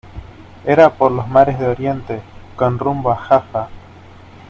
era por los mares de Oriente, con rumbo a Jafa.